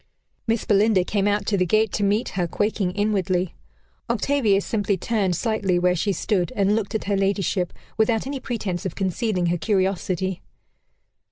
Miss Belinda came out to the gate to meet her, quaking inwardly. Octavia simply turned slightly where she stood, and looked at her ladyship, without any pretence of concealing her curiosity.